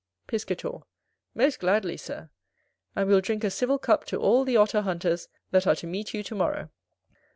Piscator. Most gladly, Sir, and we'll drink a civil cup to all the Otter hunters that are to meet you to morrow.